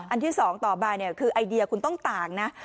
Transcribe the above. ที่๒ต่อไปคือไอเดียคุณต้องต่างนะ